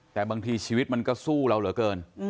แต่บางทีชีวิตมันก็สู้เราเหลือเกิน